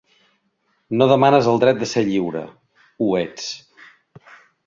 No demanes el dret de ser lliure: ho ets.